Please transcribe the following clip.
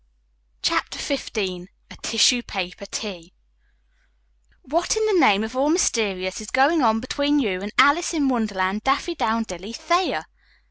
CHAPTER XV A TISSUE PAPER TEA "What in the name of all mysterious is going on between you and Alice In Wonderland Daffydowndilly Thayer?"